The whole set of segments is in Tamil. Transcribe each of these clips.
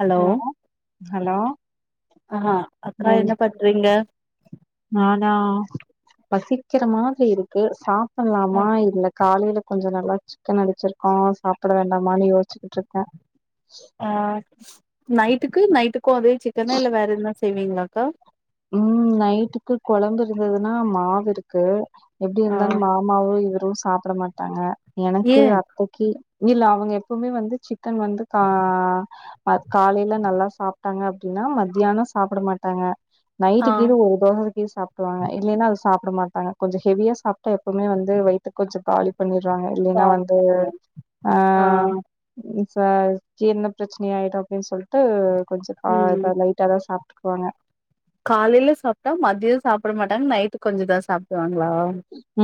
ஹலோ ஹலோ ஆ அக்கா ம் என்ன பண்றீங்க நானா பசிக்கிற மாதிரி இருக்கு சாப்புல்லாமா இல்ல காலைல கொஞ்சோ நல்லா சிக்கன் அடிச்சிருக்கோ சாப்புட வேண்டாமான்னு யோசிச்சுட்டுருக்கோ ஆ நைட்டுக்கு நைட்டுக்கு அதே சிக்கனா இல்ல வேற எதுனா செய்வீங்ளாக்கா ம் நைட்டுக்கு கொழம்பு இருந்ததுன்னா மாவு இருக்கு எப்டி ஆ இருந்தாலு மா அம்மாவு இவுரு சாப்ட மாட்டாங்க ஏ எனக்கு ஓக்கே இல்ல அவுங்க எப்பமே வந்து சிக்கன் வந்து கா அ காலைல நல்லா சாப்ட்டாங்க அப்டின்னா மத்தியானோ சாப்புட மாட்டாங்க ஆ நைட்டுக்கு இது [unintelligible] சாப்ட்ருவாங்க இல்லேன்னா அது சாப்ட மாட்டாங்க கொஞ்சோ ஹெவியா சாப்ட்டா எப்பவுமே வந்து வயித்த கொஞ்சோ காலி செஞ்சுர்றாங்க இல்லேன்னா வந்து ஆ [unintelligible] ஜீரண பிரச்னை ஆயிடு அப்டின் சொல்ட்டு கொஞ்சோ கா பா ம் லைட் ட்டா சாப்ட்டுக்வாங்க காலைல சாப்ட்டா மதியோ சாப்ட மாட்டாங் நைட்டு் கொஞ்சோ தா சாப்டுவாங்ளா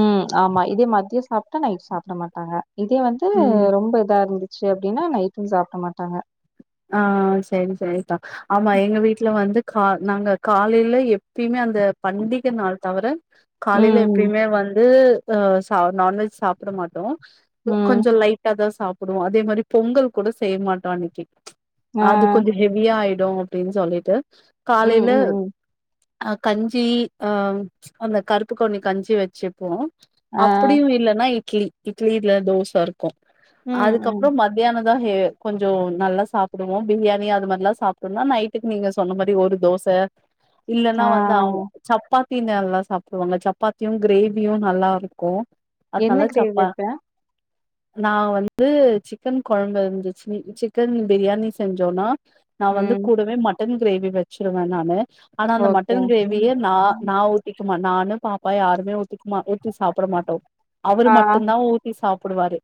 ம் ஆம்மா இதே மத்யோ சாப்ட்டா நைட்டு சாப்ட மாட்டாங்க இதே வந்து ம் ரொம்ப இதா இருந்து ச்சு அப்டின்னா நைட்டு சாப்ட மாட்டாங்க ஆ சரி சரிதா ஆம்மா எங்க வீட்ல வந்து கா நாங்க காலைல எப்பயுமே அந் த பண்டிக நாள் தவர காலைல ம் எப்பயுமே வந்து அ ச நான்வெஜ் சாப்ட மாட்டோ கொ ம் கொஞ்சோ லைட் டாதா சாப்புடுவோ அதே மாரி பொங்கல் கூட செய் மாட்டோ அன்னைக்கு ஆ அது கொஞ்சோ ஹெவியா ஆயிடு அப்டின் சொல்லிட்டு ம் காலைல ம் ம் கஞ்சி ஆ அந்த கருப்புக்கவுனி கஞ்சி வச்சுப்போ ஆ அப்டியு இல்லன்னா இட்லி இட்லி இல்ல தோச இருக்கு ம் ம் அதுக்கப்றோ மத் தியானந்தா கே கொஞ்சோ நல்லா சாப்புடுவோ பிரியாணி அது மாரில்லா சாப்ட்டோனா நைட்டுக்கு நீங்க சொன்ன மாரி ஒரு தோச இல்லன்னா ஆ வந்து அவுங் சப்பாத்தி நல்லா சாப்புடுவாங்க சப்பாத்தியு கிரேவியு நல்லா இருக்கு என்ன அதனால கிரேவி சப்பா வெப்ப நா வந்து சிக்கன் கொழம்பு இருந்துச்சு சிக்கன் பிரியாணி செஞ்சோன்னா நா வந்து ம் கூடவே மட்டன் கிரேவி வச்சிருவே நானு ஆனா அந்த ஓகே மட்டன் கிரேவியே நா நா ஒரு திக்குமா நானு பாப்பா யாருமே ஊத்திக்மா ஊத்தி சாப்புட மாட்டோ அவரு ஆ மட்டுந்தா ஊத் தி சாப்புடுவாரு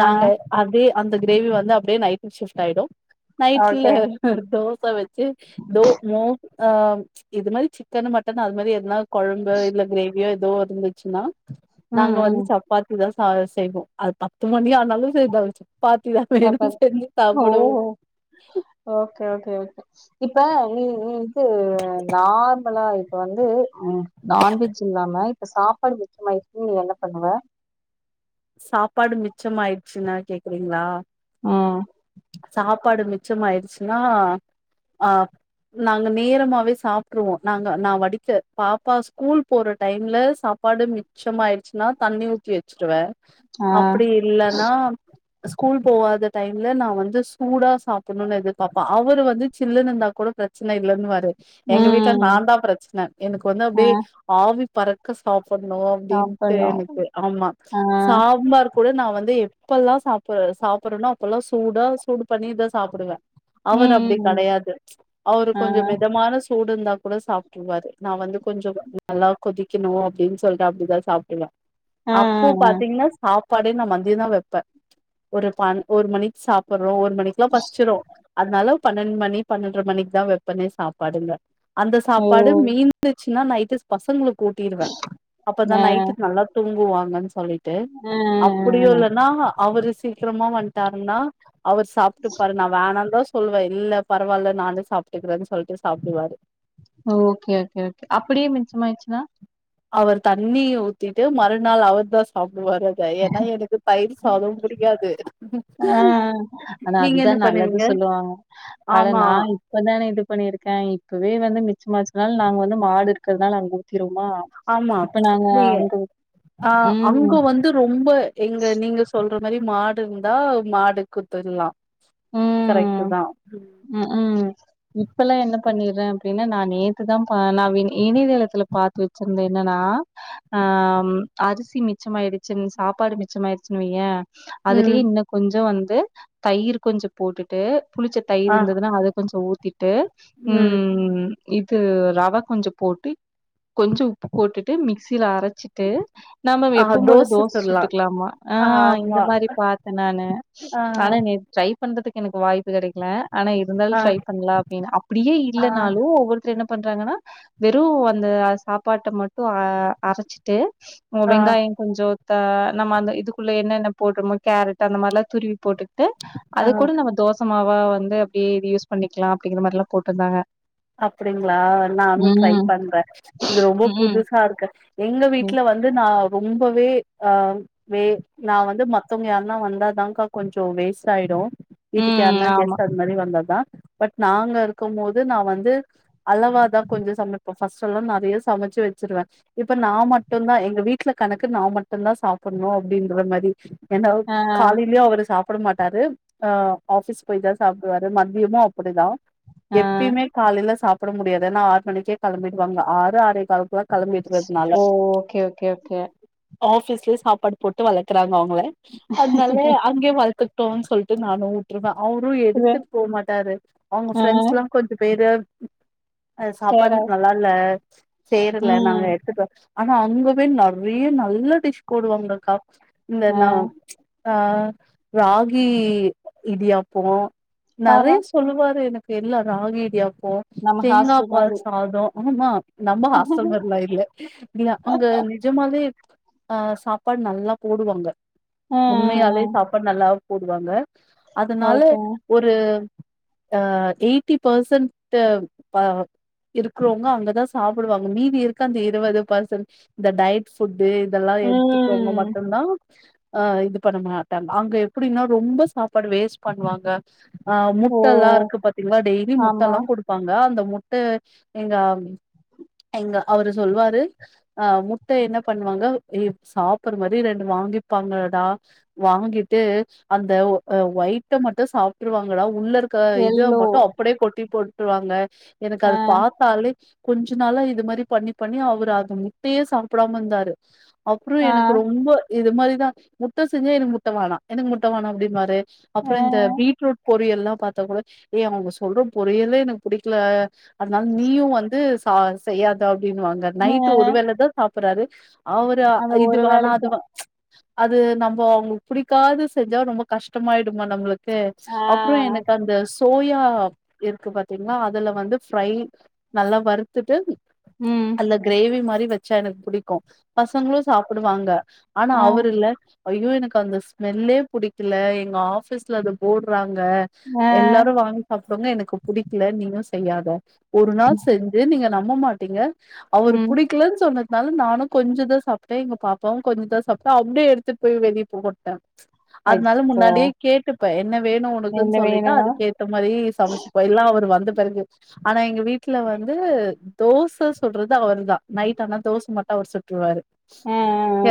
ஆ நாங்க அதே அந்த கிரேவி வந்து அப்டியே நைட்டு ஷிஃப்ட் ஆயிடு நைட்ல்ல ஓகே ஒரு தோச வச்சு தோ மோ ஆ இது மாரி சிக்கனு மட்டனு அது மாரி எதுனா கொழம்பு இல்ல கிரேவியோ ஏதோ இருந்துச்சுன்னா ம், நாங்க வந்து ம். சப்பாத்தி தா செய்வோ அது பத்து மணி ஆனாலு சரிதா சப்பாத்தி தா வேணுன் சப்பாத்தி. செஞ்சு ஓ சாப்புடுவோ ஓக்கே ஓக்கே ஓக்கே இப்ப ம் ம் ந்து நார்மலாய் இப்ப வந்து ம் நான்வெஜ் இல்லாம இப்ப சாப்பாடு மிச்சமாயிருச்சுனா நீ என்ன பண்ணுவ சாப்பாடு மிச்சமாயிருச்சுனா கேக்குறீங்ளா ம் சாப்பாடு மிச்சமாயிருச்சுனா ஆ நாங்க நேரமாவே சாப்ட்ருவோ நாங்க நா வடிக்க பாப்பா ஸ்கூல் போற டைம்ல சாப் ப்பாடு மிச்சமாயிருச்சுனா தண்ணி ஊத்தி வெச்சிருவே ஆ. அப்டி இல்லனா ஸ்கூல் போவாத டைம்ல நா வந்து சூடா சாப்புட்ணுனு எதிர்பாப்பா அவரு வந்து சில்லுனு இருந்தா கூட பிரச்சன இல்லன்னுவாரு எங்க வீட்ல ம். நாந்தா பிரச்சன எனக்கு வந்து ஆ. அப்டியே ஆவி பறக்க சாப்புட்ணு அப்டின்ட்டு சாப்பிடணும். எனக்கு ஆமா ஆ. சாம்பார் கூட நா வந்து எப்பெல்லா சாப்புற சாப்புட்றனோ அப்பலா சூடா சூடு பண்ணிதா சாப்புடுவே அவரு ம், அப்டி ம். கெடையாது அவரு ஆ. கொஞ்ச மெதமான சூ சூடு இருந்தா கூட சாப்பிட்ருவாரு நா வந்து கொஞ்ச நல்லா கொதிக்கணு அப்டின் சொல்ட்டு அப்டிதா சாப்டுவே ஆ, ஆ, அப்போ ஆ. இன்ன சாப்பாடே நா மதியந்தா வெப்பே ஒரு பன் ஒரு மணிக் சாப் ப்புட்றோ ஒரு மணிக்குலா பசிச்சிரு அதனால பன்னெண்டு மணி பன்னென்ர மணிக்கு தா வெப்பனே சாப்பாடுங்க அந்த ஓ! சாப்பாடு மீந்துச்சுனா நைட்டு பசங்களுக்கு ஊட்டிருவே அப்பதா ஆ. நைட்டுக்கு நல்லா தூங்குவாங்கன் சொல்லி ட்டு ஆ, ஆ, அப்டியு ஆ. இல்லனா அவரு சீக்கிரமா வந்ட்டாருனா அவரு சாப்ட்டுப்பாரு நா வேணான்தா சொல்லுவே இல்ல பரவால்ல நானே சாப்ட்டுக்குறேன் சொல்ட்டு சாப்டுவாரு ஓகே ஓகே ஓகே அப்டியே மிச்சமாய்ருச்சுனா அவர் தண்ணி ஊத்திட்டு மறுநாள் அவர்தா சாப்டுவாரு அத ஏனா எனக்கு தயிர் சாத புடிக்காது ஆ ஆனா நீங்க அதுதா என்ன நல்லது பண்ணுவீங்க சொல்லுவாங்க ஆனா ஆமா நா இப் இப்பதான இது பண்ணிருக்கே இப்பவே வந்து மிச்சமாச்சுனாலு நாங்க வந்து மாடு இருக்கறதுனால அங்க ஊத்திருவோமா ஆமா இப்ப நாங்க நீயு அங்க ஆ அங்க ம், வந்து ரொம்ப எங்க நீங்க சொல்ற மாரி மாடு இருந்தா மாடுக்கு ஊத்திர்லா கரெக்ட்டு தா ம் ம் இப்பலா என்ன பண்ணிட்றே அப்டினா நா நேத்துதா பாலாவின் இணையதளத்துல பாத் த்து வச்சிருந்தே என்னன்னா ஆ அரிசி மிச்சமாயிடுச்சுன் சாப்பாடு மிச்சமாயிடுச்சுன் வையே ம் அதுலயே இன்ன கொஞ்ச வந்து தயிரு கொஞ்ச போட்டுட்டு புளிச்ச தயிரு ஆ இருந்ததுனா அத கொஞ்ச ஊத்திட்டு ம் இது ரவ கொஞ்ச போட்டு கொஞ்ச உப்பு போட்டுட்டு மிக்சில அரச்சிட்டு நம்மவ் ஆ எப்பம் போல தோச சுட்லா சுட்டுக்லாமா ஆ இந்த ஆமா மாரி பாத்தே நானு ஆ அட நேத் ட்ரை பண்றதுக்கு எனக்கு வாய்ப்பு கெடைக்ல ஆனா இருந்தாலு ஆ ட்ரை பண்லா அப்டின்னு அப்டியே ஆ இல்லனாலு ஒவ்வொரு த்ரு என்ன பண்றாங்கனா வெறு அந்த அ சாப்பாட்ட மட்டு அ அசச்சிட்டு அ ஆ வெங்காய கொஞ்ச த நம்ம அந்த இதுக்குள்ள என்னென்ன போட்றமோ கேரட்டு அந்த மாரிலா துருவி போட்டுக்ட்டு ஆ அதுக் கூட நம்ம தோசமாவா வந்து அப்டி இது யூஸ் பண்ணிக்லா அப்டிங்கிற மாரிலா போட்ருந்தாங்க அப்டிங்களா நானு ட்ரை ம் பண்றே இது ரொம்ப ம் புதுசா இருக்கு எங்க ம் வீட்ல வந்து நா ரொம்பவே அ வே நா வந்து மத்தவங்க யார்னா வந்தாதா கா கொஞ்சோ வேஸ்ட் ஆயிடு வீட்டுக்கு ம். யார்னா ஆமா கெஸ்ட் அது மாரி வந்தா தா பட் நாங்க இருக்கும் போது நா வந்து அளவாதா கொஞ்ச சமப்போ ஃபர்ஸ்ட் எல்லா நெறய சமச்சு வச்சிருவே இப்ப நா மட்டுந்தா எங்க வீட்ல கணக்கு நா மட்டுந்தா சாப்ட்ணு அப்டின்ற மாரி ஏனாவ் ஆ, காலையிலயு அவரு சாப்பிட மாட்டாரு ஆ ஆபிஸ் போய் தா சாப்பிடுவாரு மதியமு அ ப்படிதா ஆ. எப்பயுமே காலைல சாப்பிட முடியாது ஏன்னா ஆறு மணிக்கே கிளம்பிடுவாங்க ஆறு ஆறே கால் க்லா ஓ ஓகே ஓகே ஓகே ஆஃபிஸ்லயே சாப்பாடு போட்டு வளக்கறாங்க அவுங்கள அதனால அங்கே வளத் ட்டு சொல்லிட்டு நானு விட்ருவே அவரு இது எடுத்துட்டு போ மாட்டாரு அவுங்க ஆ, ஃப்ரெண்ட்ஸ் லா பேரு அ சேரா சாப்பாடு நல்லா இல்ல சேரல நாங்க ம். எடுத்துட்டு ஆனா அங்க போய நெறய நல்ல டிஷ் போடுவாங்கக்கா இந்த ஆ, னா ஆ ராகி இடியாப்போ நெறய அதான் சொல்லுவாரு எனக்கு எல்லா ராகி இடியாப்போ நம்ம தேங்கா ஹாஸ்டல் பால் மாதிரி. சாத ஆமா நம்ப ஹாஸ்டல் மாரிலா இல்ல [unintelligible] அங்க நிஜமாவே ஆ சாப்பாடு நல்லா போடுவாங்க அ, அ, உண்மையாலே அ. சாப்பாடு நல்லாவே போடுவாங்க அதனால ஓகேங்க. ஒரு அ எயிட்டி பர்சன்டு ப இருக்கிறவங்க அங்கதா சாப்பிடுவாங்க மீதி இருக்க அந்த இருபது பர்சன்ட் இந்த டயட் ஃபுட்டு இதெல்லா எடுத்துக்குறவுங்க ம். மட்டுந்தா ஆ இது பண்ண மாட்டாங்க அங்க எப்டினா ரொம்ப சாப்பாடு வேஸ்ட் பண்ணுவாங்க ஆ ஓ! முட்டல்லா இருக்கு பாத்தீங்களா டெய்லி ஆமா. முட்டல்லா போட் டுப்பாங்க அந்த முட்ட எங்க எங்க அவரு சொல்லுவாரு ஆ முட்டைய என்ன பண்ணுவாங்க ஏ சாப்பிட்ற மாரி ரெண்டு வாங்கிப்பாங்கடா வாங்கிட்டு அந்த அ ஒயிட்ட மட்டு சாப்பிட்ருவாங்கடா உள்ள இருக் க இது எல்லோ. மட்டு அப்டியே கொட்டி போட்டுருவாங்க எனக்கு ஆ, அது பாத்தாலே கொஞ்ச நாளா இது மாரி பண்ணி பண்ணி அவரு அது முட்டயே சாப்பிடாம இருந்தாரு அப்புற ஆ, எனக்கு ரொம்ப இது மாதிரிதா முட்டை செஞ்சா எனக் முட்ட வானா எனக்கு முட்ட வானா அப்டின்வாரு அப்புற ஆ, இந்த பீட்ரூட் பொரியல்லா பாத்தா கூட ஏய் அவுங்க சொல்ற பொரியலே எனக்கு புடிக்கல அதனால நீயும் வந்து ச செய்யாத அப்டின்னுவாங்க த ஆ. நைட்டு் ஒரு வேலதா சாப்ட்றாரு அவரா அந்த இது ஒரு வேணா வேளைக்கு. அது வே அது நம்ம அவங்களுக்கு புடிக்காதது செஞ்சா ரொம்ப கஷ்டமாயிடுமா நம்மளுக் க ஆ, அப்புறம் எனக்கு அந்த ஸ் சோயா இருக்கு பாத்தீங்களா அதுல வந்து ஃப்ரை நல்லா வறுத்துட்டு ம். அல்ல கிரேவி மாரி வச்சா எனக்கு புடிக்கு பசங்களு சாப்பிடுவாங்க ஆனா ஆ, அவரு இல்ல ஐயோ எனக்கு அந்த ஸ்மெல்லே புடிக்கல எங்க ஆஃபீஸ்ல அது போட்றாங்க ஆ, எல்லா வாங்கி சாப்டவங்க எனக்கு புடிக்கல நீயு செய்யாத ஒரு நாள் செஞ்சு நீங்க நம்ப மாட்டீங்க அவர் ம். புடிக் க்கள சொன்னதுனால நானு கொஞ்சதா சாப்ட்டே இப்ப பாப்பாவு கொஞ்சம்தா சாப்டா அப்டியே எடுத்துட்டு போய் வெளிய போட்டே அதனால அச்சச்சோ! முன்னாடியே கேட்டுப்பே என்ன வேணு என்ன உனக்குன்னு சொல்லிட்டா அது வேணும்? கேட் ட்ட மாரி சமைச்சுப் போயிட்லா அவரு வந்த பிறகு ஆனா எங்க வீட்ல வந்து தோச சுட்றது அவர் தா நைட் ஆனா தோஸ் மட்டு அவர் சுட்ருவாரு அ, அ,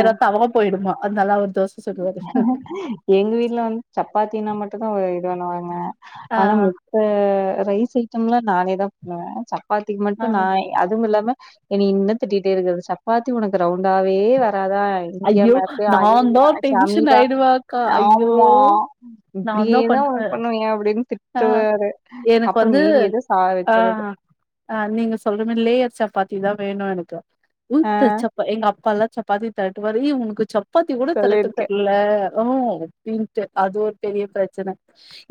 ஏரா தவா போயிடுமா அதனாலா அவரு தோச சுடுவாரு எங்க வீட்ல வந்து சப்பாத்தினா மட்டுதா இது பண்ணுவாங்க ஆ ஆனா மித்த ரைஸ் ஐட்டம்லா நானே தா பண்ணுவ சப்பாத்திக்கு ஆ மட்டு நா அதுவுமில்லாம என்னை இன்னு திட்டிட்டே இருக்கறது சப்பாத்தி உனக்கு ரவுண்டாவே வராதா இந்தியா ஐயோ மேப்பு அணீலு நாந்தா ஆட் டென்ஷன் சமீபா ஆயிடுவே அக்கா ஆமா ஐயோ நான் தான் இப்டியேதா பண்ணுவேன் ஒனக் பண்ணுவியா அப்டின்னு திட் ஆ டுவாரு எனக்கு அப்றோ மீதி எதோ சா வச்சறது அ நீங்க சொல்ற மேரி லேயர் சப்பாத்தி தா வேணு எனக்கு ஆ எங்க அப்பால்லா சப்பாத்தி தெரட்டுவாரு ஏய் உனக்கு சப்பாத்தி கூட தெரட்ட சொல்லிருக்கேன். தெர்ல ஓஹ் அப்டின்ட்டு அது ஒரு பெரிய பிரச்சன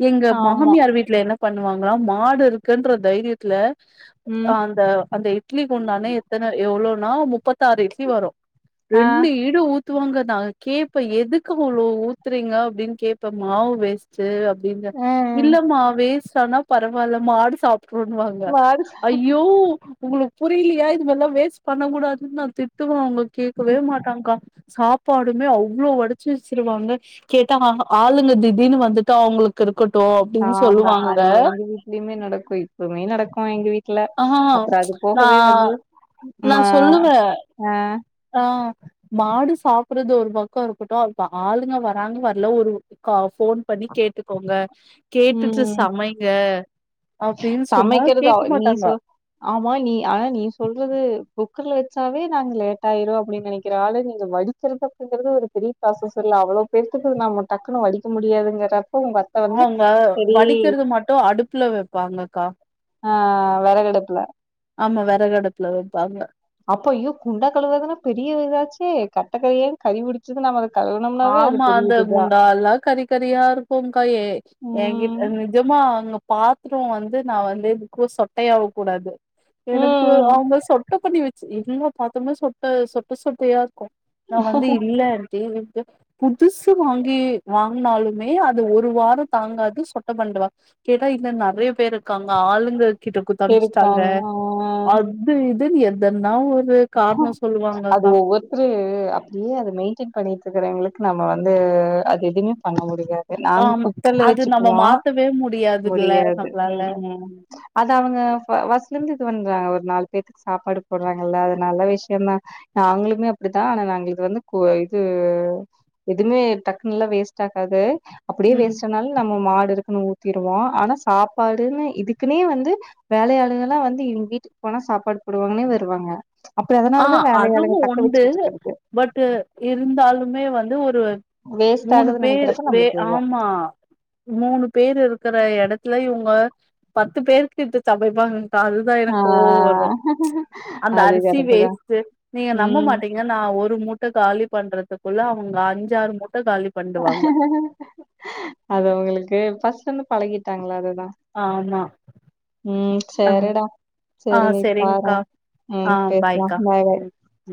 எங்க ஆமா மாமியார் வீட்ல என்ன பண்ணுவாங்களா மாடு இருக்குன்ற தைரியத்துல ம் அந்த அந்த இட்லி குண்டானே எத்தன எவ்ளோனா முப்பத்தாறு இட்லி வரூ ஆ ரெண்டு ஈடு ஊத் த்துவாங்க நா கேப்ப எதுக்கு இவ்ளோ ஊத்றிங்க அப்டின்னு கேப்ப மாவு வேஸ்டு வீங்க அ இல்லமா வேஸ்ட் ஆனா பரவால்ல மாடு சாப்ட்றுன்னுவாங்க மாறு ஐயோ உங்களுக்கு புரிலியா இதுமார்ல்லா வேஸ்ட் பண்ணக் கூடாதுன்னு நா திட்டுவ அவுங்க கேக்கவே மாட்டாங்கா சாப் சாப்பாடுமே அவ்ளோ வடிச்சு வச்சிருவாங்க கேட்டா ஆளுங்க திடீர்ன்னு வந்துட்டா அவுங்களுக்கு இருக்கட் டு அப்டின் சொல்லுவாங்க லிமே நடக்கும் இப்பவுமே நடக்கும் எங்க வீட் ல ஆ அப்பறோ அது நா போகவே வந்து மா அ அ மாடு சாப்பட்றது ஒரு பக்கோ இருக்கட்டு அதுக்கு ஆளுங்க வராங்க வரல ஒரு கா ஃபோன் பண்ணி கேட்டுக்கோங்க கேட்டுட்டு ம் சமைங்க அப்டின்னு சொன்னா சமைக்கிறது கேக்க அவ் நீ சொ மாட்டாங்கா ஆமா நீ அனா நீ சொல்றது குக்கர்ல வச்சாவே நாங்க லேட் ஆயிரு அப்டின்னு நெனைக்கிற ஆளு நீங்க வடி [unintelligible] ங்கறது ஒரு பெரிய ப்ராசஸ் இல்ல அவ்ளோ பேத்துக்கு நம்ம டக்குன்னு வடிக்க முடியாதுங்கற அவுங்க வடிக்கிறது மட்டு அடுப் ல வெப்பாங்கக்கா ஆ வெறகடுப்புல ஆமா வெறகடுப்புல வெப்பாங்க அப்ப ஐயோ குண்டா கழுவறதுன்னா பெரிய இதாச்சே கட்டக்கறேன்னு கரிபுடிச் ஆமா அந்த குண்டால்லா கரி கரியா இருக்கும்கா எ எங்கிட் ம் ஜேமா அங்க பாத்தரோ வந்து நா வந்து எதுக்கு சொட்டையாவ கூடாது எனக்கு ம் அவுங்க சொட்ட பண்ணி வச்சு எல்ல பாத்ரமே சொட்ட சொட்ட சொட்டையா இருக்கு நா வந்து இல்ல ஆன்ட்டி புதுசு வாங்கி வாங்கனாலுமே அது ஒரு வாரோ தாங்காது சொட்ட பண்ணுடுருவ கேட்டா இல்ல நெறைய பேர் இருக்காங்க ஆளுங்க கிட்ட குத்தமிச்சிட்டாங்க இருக்காங்க ஆ அப் அது இதுன்னு எதன்னா ஒரு காரணோ அது சொல்லுவாங்கக்கா ஒவ்வொர் அப்டியே அத மெயின்டெயின் பண்ணிட்டு இருக்கறவங்களுக்கு நம்ம வந்து அது எதுவுமே பண்ண முடியாது நாங்க ஆமா குக்கர்ல அது நம்ம வச்சுக்குவோ மாத்தவே முடியாதுல்ல முடியாது நம்மளால ம் ம் அது அவுங்க ஃபர்ஸ்ட்லந்து இது பண்றாங்க ஒரு நாலு பேத்துக்கு சாப்பாடு போட்றாங்கல்ல நல்ல விஷயோதா நாங்களுமே அப்டித்தா ஆனா நாங்க இது வந்து இது எதுமே டக்குனல்லா வேஸ்ட் ஆகாது அப்டியே ம் வேஸ்ட் ஆனாலு நம்ம மாடு இருக்கணு ஊத்திருவோ ஆனா சாப்பாடுன்னு இதுக்குன்னே வந்து வேலையாளுங்க எல்லா வந்து இவங்க வீட்டுக்கு போனா சாப்பாடு போடுவாங்கன்னே வருவாங்க அப்டி ஆ அதனாலதா அதுவு வேலையாளுங்க தக்க உண்டு வச்சுக்கிட்டு இருக்கிறது பட்டு இருந்தாலுமே வந்து ஒரு வேஸ்ட் மூணு ஆகுதுன்னு பேர் நெனைக்கிறப்ப வே நம்மளுக்கு ஆமா மூணு பேர் இருக்கிற எடத்துல இவுங்க பத்து பேரு கிட்ட சமைப்பாங்க அதுதா ஆ எனக்கு கோவோ வரு அந்த அது அரிசி கரெக்ட்டு தான். வேஸ்ட்டு நீங்க நம்ப ம். மாட்டீங்க இங்க நா ஒரு மூட்ட காலி பண்றதுக்குள்ள அவுங்க அஞ்சாறு மூட்ட காலி பண்டுவாங்க அது அவுங்களுக்கு பசன்ன பழகிட்டாங்களா அதுதா ஆமா ம் ஆ சேரிடா ஆ சேரி நீ பாரு செரிங்க்கா ஆ ம் பேசலா பாய்க்கா பாய் பாய் ம் ம்